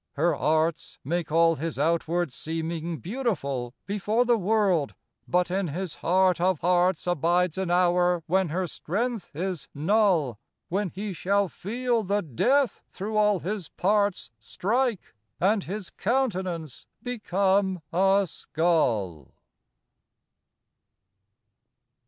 Her arts Make all his outward seeming beautiful Before the world; but in his heart of hearts Abides an hour when her strength is null; When he shall feel the death through all his parts Strike, and his countenance become a skull.